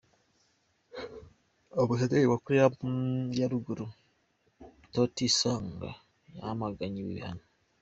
Ambasaderi wa Koreya ya ruguru Han Tae Song yamaganye ibi bihano.